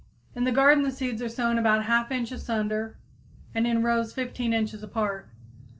In the garden the seeds are sown about 1/2 inch asunder and in rows 15 inches apart.